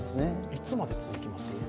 いつまで続きます？